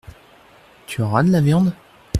Tu auras de la viande ?